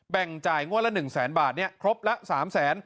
แบ่งจ่ายงวดละหนึ่งแสนบาทเนี่ยครบละสามแสน